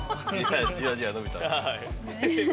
じわじわ伸びた。